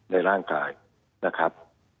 ในร่างกายนะครับ